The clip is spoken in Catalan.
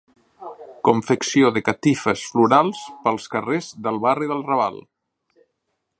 Confecció de catifes florals pels carrers del barri del Raval.